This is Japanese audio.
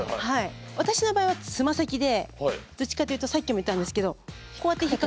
私の場合はつま先でどっちかっていうとさっきも言ったんですけどこうやって引っ掛けるんです。